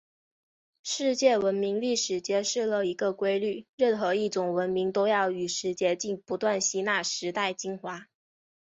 世界文明历史揭示了一个规律：任何一种文明都要与时偕行，不断吸纳时代精华。